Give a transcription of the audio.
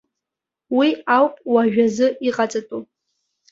Уи ауп уажәазы иҟаҵатәу.